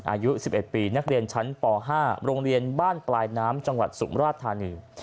อายุ๑๑ปีนักเรียนชั้นป๕โรงเรียนบ้านปลายน้ำจังหวัดสุมราชธานี